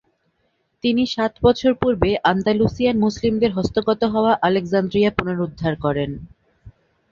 তিনি সাত বছর পূর্বে আন্দালুসিয়ান মুসলিমদের হস্তগত হওয়া আলেক্সান্দ্রিয়া পুনরুদ্ধার করেন।